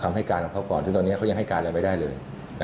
ให้การของเขาก่อนซึ่งตอนนี้เขายังให้การอะไรไม่ได้เลย